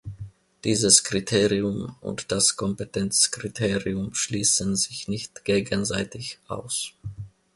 Dieses Kriterium und das Kompetenzkriterium schließen sich nicht gegenseitig aus.